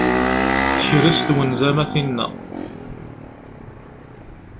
Tekres twenza-m a tinna.